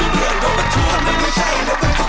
เหนื่อยไหมครับ